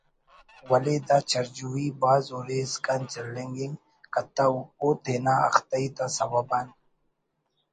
ولے دا چرجوئی بھاز ہُرے اسکان چلینگ انگ کتو او تینا اختئی تا سوب آن